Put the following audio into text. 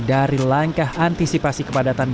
dari langkah antisipasi kepadatan